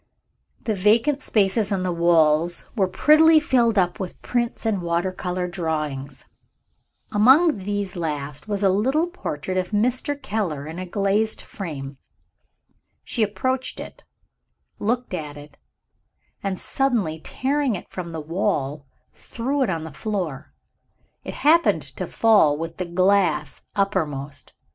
The vacant spaces on the walls were prettily filled up with prints and water color drawings. Among these last was a little portrait of Mr. Keller, in a glazed frame. She approached it looked at it and, suddenly tearing it from the wall, threw it on the floor. It happened to fall with the glass uppermost.